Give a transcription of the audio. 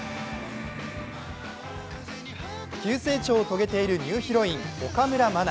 急成長を遂げているニューヒロイン岡村真。